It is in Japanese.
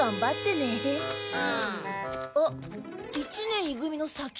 あっ一年い組の左吉。